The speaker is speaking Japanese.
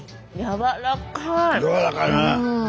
やわらかいね。